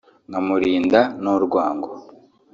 nkamurinda n’urwango